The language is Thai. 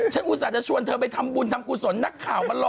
ฉันอุตส่าห์จะชวนเธอไปทำบุญทำกุศล